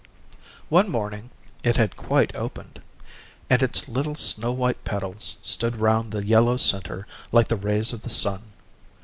One morning it had quite opened, and its little snow white petals stood round the yellow centre, like the rays of the sun.